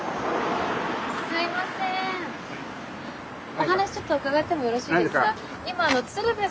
お話ちょっと伺ってもよろしいですか？